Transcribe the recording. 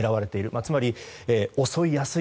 つまり、襲いやすい。